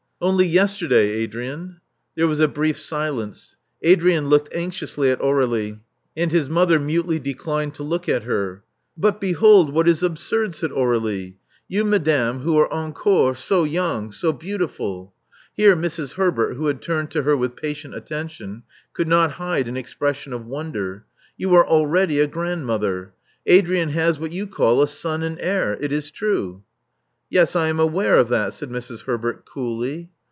*'Only yesterday, Adrian." There was a brief silence. Adrian looked anxiously at Aur61ie; and his mother mutely declined to look at her. But behold what is absurd!" said Aurdlie. You, madame, who 3LTe encore so young — so beautiful—" — here Mrs. Herbert, who had turned to her with patient attention, could not hide an expression of wonder — you are already a grandmother. Adrian has what you call a son and heir. It is true." Yes, I am aware of that," said Mrs. Herbert coolly.